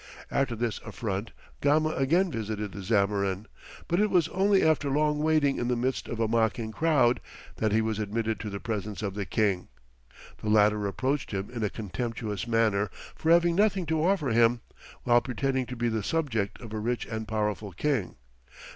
After this affront Gama again visited the Zamorin, but it was only after long waiting in the midst of a mocking crowd, that he was admitted to the presence of the king. The latter reproached him in a contemptuous manner for having nothing to offer him, while pretending to be the subject of a rich and powerful king.